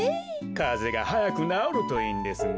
かぜがはやくなおるといいんですが。